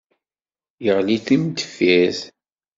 Yeɣli d timendeffirt.